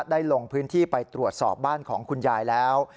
ลงพื้นที่ไปตรวจสอบบ้านของคุณยายแล้ว